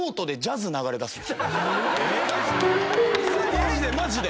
マジでマジで！